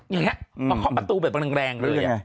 อย่างเงี้ยมาเคาะประตูแบบแรง